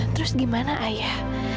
terus gimana ayah